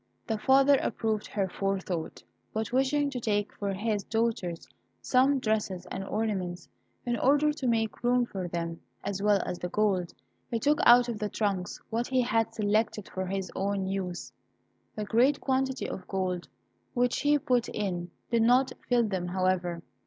The father approved her forethought. But wishing to take for his daughters some dresses and ornaments, in order to make room for them as well as the gold, he took out of the trunks what he had selected for his own use. The great quantity of coin which he put in did not fill them, however.